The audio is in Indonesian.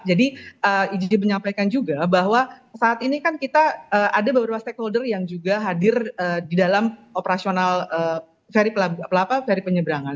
jadi iji menyampaikan juga bahwa saat ini kan kita ada beberapa stakeholder yang juga hadir di dalam operasional peri penyebrangan